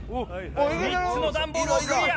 ３つの段ボールをクリア。